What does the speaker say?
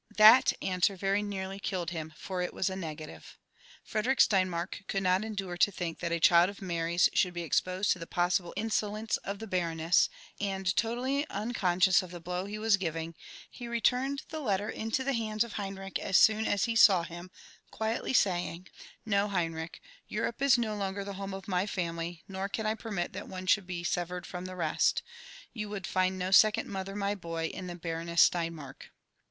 That answer yery nearly killed him, for it was a negative. Frederick Slainmark could not endure to think that a child of Mary's should be raposed to the possible insolence of the baroness ; and, totally un ^ conscious of the blow he was giving, he returned the letter into the hands of Henrich as soon as he saw him, quietly saying, *' No, Henrieh, Europe is no longer the home of my family, nor ean I permit that one should be severed from the rest. You would find DO second mother, my boy, in the Baroness Steinmark.''